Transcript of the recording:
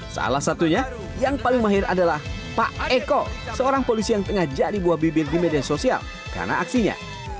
salah satunya yang paling mahir adalah pak eko seorang polisi yang tengah jadi buah bibir di media sosial karena aksinya